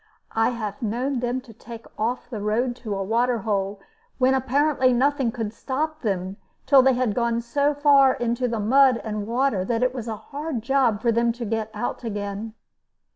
I have known them to take off the road to a water hole, when apparently nothing could stop them till they had gone so far into the mud and water that it was a hard job for them to get out again.